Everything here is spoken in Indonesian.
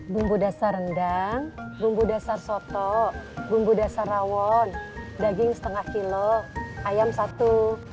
bumbu dasar rendang bumbu dasar soto bumbu dasar rawon daging setengah kilo ayam satu